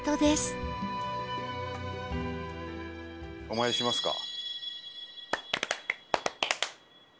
お参りしますか。